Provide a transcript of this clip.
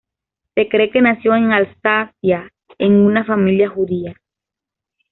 Se cree que nació en Alsacia en una familia judía.